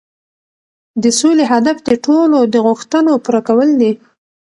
د سولې هدف د ټولو د غوښتنو پوره کول دي.